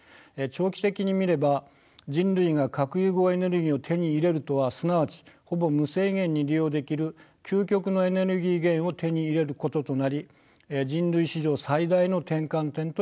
長期的に見れば人類が核融合エネルギーを手に入れるとはすなわちほぼ無制限に利用できる究極のエネルギー源を手に入れることとなり人類史上最大の転換点といえます。